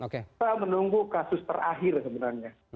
kita menunggu kasus terakhir sebenarnya